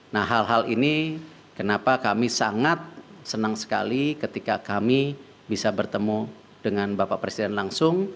nah hal hal ini kenapa kami sangat senang sekali ketika kami bisa bertemu dengan bapak presiden langsung